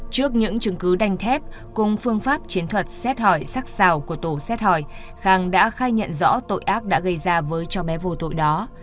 trước những chứng cứ đanh thép cùng phương pháp chiến thuật xét hỏi sắc xào của tổ xét hỏi khang đã khai nhận rõ tội ác đã gây ra với cho bé vô tội đó